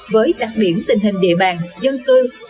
với đặc biển tình hình địa bàn dân tư